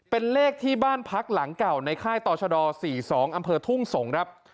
เป็นเลขที่บ้านพักหลังเก่าในค่ายต่อชด๔๒อำเภอทุ่งสงศ์ครับ